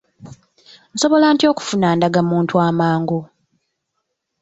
Nsobola ntya okufuna ndagamuntu amangu?